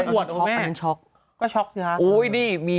ก็ช็อกค่ะ